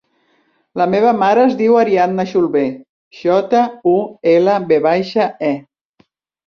La meva mare es diu Arianna Julve: jota, u, ela, ve baixa, e.